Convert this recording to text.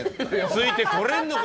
ついてこれんのか？